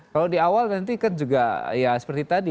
kalau di awal nanti kan juga ya seperti tadi